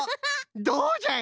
どうじゃい！